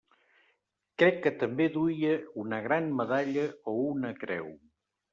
Crec que també duia una gran medalla o una creu.